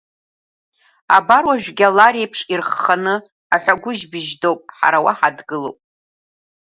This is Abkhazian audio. Абар уажәгьы алар еиԥш ирхханы аҳәагәыжь бжьдоуп, ҳара уа ҳадгылоуп.